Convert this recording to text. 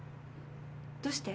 どうして？